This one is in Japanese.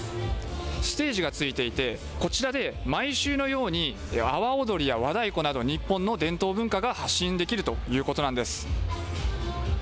ステージがついていてこちらで毎週のように阿波踊りや和太鼓など日本の伝統文化が発信できるということなんです。